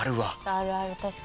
あるある確かに。